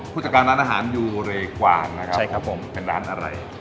ผู้จัดการร้านอาหารอยู่เรกวานนะครับเป็นร้านอะไร